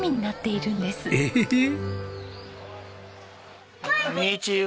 こんにちは。